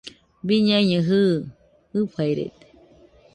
Biñaino jɨɨ, fɨfairede